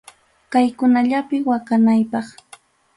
Kaykunallapi waqanaypaq.